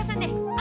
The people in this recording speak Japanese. あ